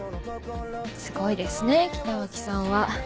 すごいですね北脇さんは。